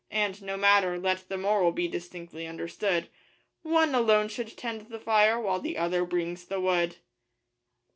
And ... No matter: let the moral be distinctly understood: One alone should tend the fire, while the other brings the wood.